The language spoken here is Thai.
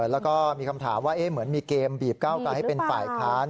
แล้วก็มีคำถามว่าเหมือนมีเกมบีบก้าวไกลให้เป็นฝ่ายค้าน